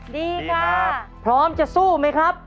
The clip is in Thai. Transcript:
ดีค่ะพร้อมจะสู้ไหมครับ